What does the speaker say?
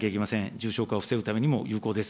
重症化を防ぐためにも有効です。